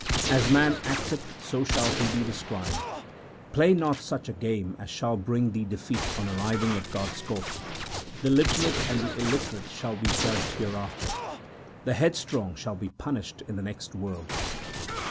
As man acteth so shall he be described. Play not such a game as shall bring thee defeat on arriving at God s court. The literate and the illiterate shall be judged hereafter ; The headstrong shall be punished in the next world.